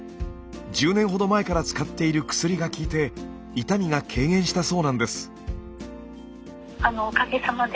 １０年ほど前から使っている薬が効いて痛みが軽減したそうなんです。